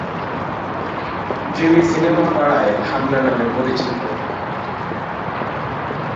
যিনি সিনেমা পাড়ায় "ভাবনা" নামে পরিচিত।